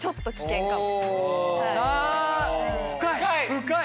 深い！